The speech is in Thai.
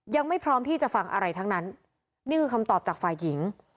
ยังไม่พร้อมที่จะฟังอะไรทั้งนั้นนี่คือคำตอบจากฝ่ายหญิง